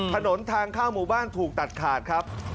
ถนนทางเข้าหมู่บ้านถูกตัดขาดครับ